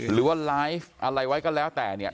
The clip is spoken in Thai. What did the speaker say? หรือว่าไลฟ์อะไรไว้ก็แล้วแต่เนี่ย